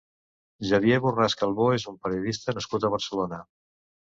Xavier Borràs Calvo és un periodista nascut a Barcelona.